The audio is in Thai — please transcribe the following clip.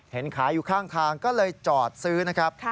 เห็นขายอยู่ข้างทางก็เลยจอดซื้อนะครับ